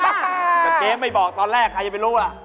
แต่เจ๊ไม่บอกตอนแรกใครจะไปรู้อ่ะ